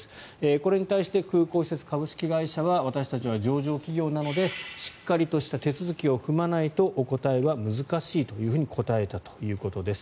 これに対して空港施設株式会社は私たちは上場企業なのでしっかりとした手続きを踏まないとお答えは難しいと答えたということです。